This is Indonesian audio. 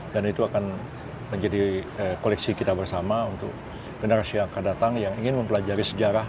dan itu akan menjadi koleksi kita bersama untuk generasi yang akan datang yang ingin mempelajari sejarah